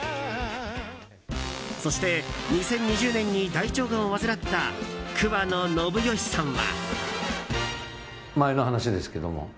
そして２０２０年に大腸がんを患った桑野信義さんは。